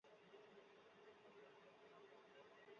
সব জায়গায় বাংলা প্রচলন হলেও হাসপাতালের সাইনবোর্ডগুলি এখনও বদলায়নি।